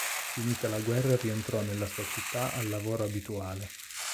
Finita la guerra rientrò nella sua città al lavoro abituale.